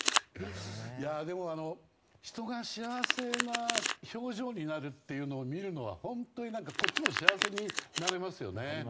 でも、人が幸せな表情になるのを見るというのは本当にこっちも幸せになれますよね。